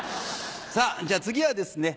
じゃあ次はですね